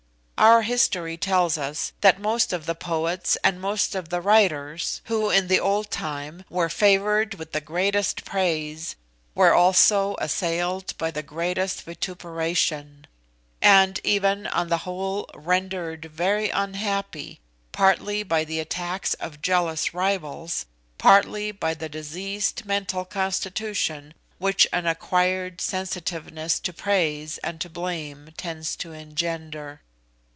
Our history tells us that most of the poets and most of the writers who, in the old time, were favoured with the greatest praise, were also assailed by the greatest vituperation, and even, on the whole, rendered very unhappy, partly by the attacks of jealous rivals, partly by the diseased mental constitution which an acquired sensitiveness to praise and to blame tends to engender.